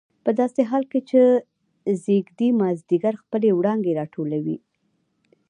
په داسې حال کې چې ځېږدي مازدیګر خپلې وړانګې راټولولې.